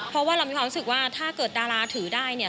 เพราะว่าเรามีความรู้สึกว่าถ้าเกิดดาราถือได้เนี่ย